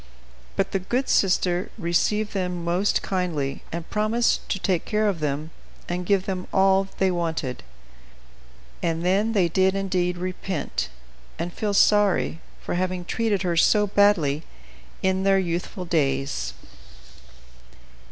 But the good sister received them most kindly, and promised to take care of them and give them all they wanted. And then they did indeed repent and feel sorry for having treated her so badly in their youthful days.